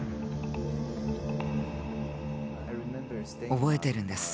覚えてるんです。